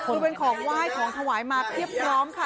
ก็เป็นของว่ายของขวายมาเทียบพร้อมค่ะ